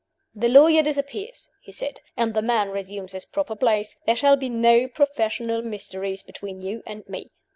"The lawyer disappears," he said, "and the man resumes his proper place. There shall be no professional mysteries between you and me.